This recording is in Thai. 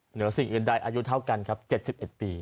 เหนือสิ่งอื่นใดอายุเท่ากันครับ๗๑ปี